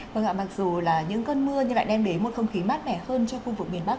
vâng ạ mặc dù là những cơn mưa nhưng lại đem đến một không khí mát mẻ hơn cho khu vực miền bắc